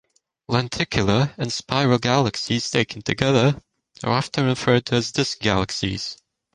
Lenticular and spiral galaxies, taken together, are often referred to as disk galaxies.